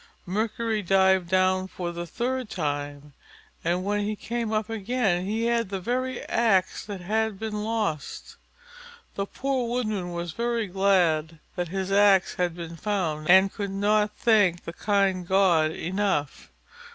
Mercury dived down for the third time, and when he came up again he had the very axe that had been lost. The poor Woodman was very glad that his axe had been found and could not thank the kind god enough.